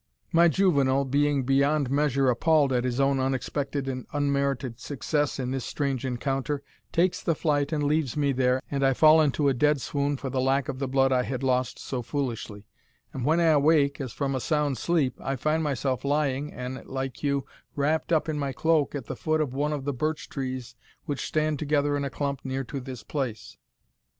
My juvenal, being beyond measure appalled at his own unexpected and unmerited success in this strange encounter, takes the flight and leaves me there, and I fall into a dead swoon for the lack of the blood I had lost so foolishly and when I awake, as from a sound sleep, I find myself lying, an it like you, wrapt up in my cloak at the foot of one of the birch trees which stand together in a clump near to this place.